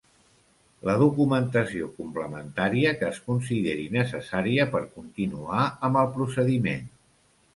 La documentació complementària que es consideri necessària per continuar amb el procediment.